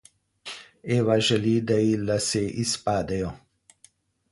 Eva želi, da ji lase izpadejo.